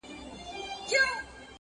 چي د حُسن عدالت یې د مجنون مقام ته بوتلې